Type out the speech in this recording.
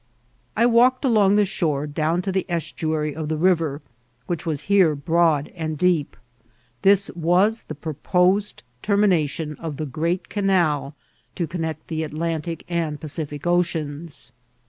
I walked along the shore down to the estuary of the river, which was here broad and deep. This was the {HToposed termination of the great canal to connect the Atlantic and Pacific Oceans.